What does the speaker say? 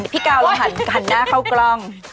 พี่กาวเราหันกันหน้าเข้ากล้อง